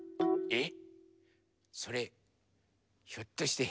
えっ⁉